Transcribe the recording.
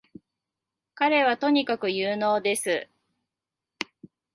彼はとにかく有能です